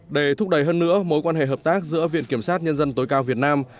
để thúc đẩy hơn nữa mối quan hệ hợp tác giữa viện kiểm sát nhân dân tối cao việt nam